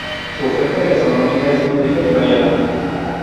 Su oferta gastronómica es muy rica y variada.